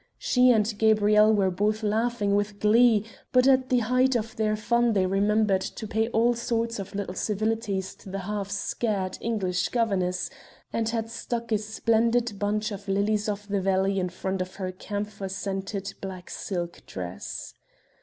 She and Gabrielle were both laughing with glee, but at the height of their fun they remembered to pay all sorts of little civilities to the half scared English governess and had stuck a splendid bunch of lilies of the valley in front of her camphor scented black silk dress.